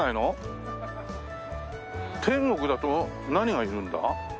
天国だと何がいるんだ？